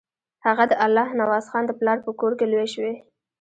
هغه د الله نوازخان د پلار په کور کې لوی شوی.